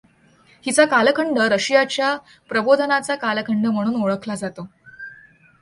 हिचा कालखंड रशियाच्या प्रबोधनाचा कालखंड म्हणून ओळखला जातो.